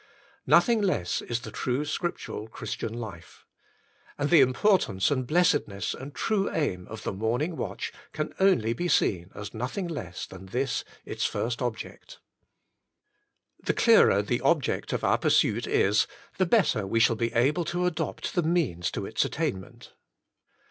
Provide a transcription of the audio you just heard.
Nothing less is the true scriptural Christian life. And the importance and blessed ness and true aim of the morning watch can only be seen as nothing less than this is its first object. The clearer the object of our pursuit is, the better we shall be able to adapt the means to its attainment.